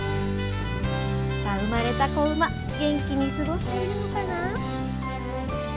さあ、生まれた子馬、元気に過ごしているのかな？